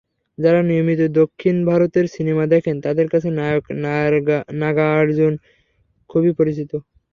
যাঁরা নিয়মিত দক্ষিণ ভারতের সিনেমা দেখেন, তাঁদের কাছে নায়ক নাগার্জুন খুবই পরিচিত।